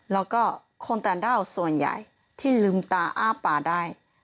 แล้วก็คนต่างด้าวส่วนใหญ่ที่ลืมตาอ้าปากได้